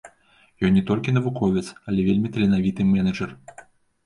Ён не толькі навуковец, але вельмі таленавіты менеджар.